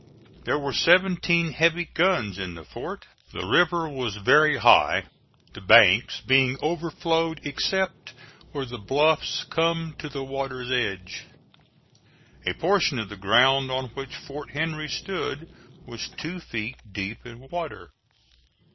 There were seventeen heavy guns in the fort. The river was very high, the banks being overflowed except where the bluffs come to the water's edge. A portion of the ground on which Fort Henry stood was two feet deep in water.